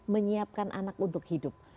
menyiapkan anak untuk hidup